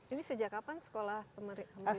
ini sejak kapan sekolah pemerintah